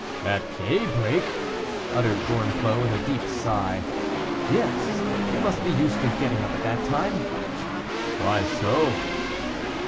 "At daybreak?" uttered Gorenflot, with a deep sigh. "Yes; you must be used to getting up at that time." "Why so?"